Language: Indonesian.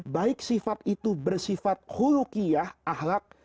baik sifat itu bersifat hulukiyah ahlak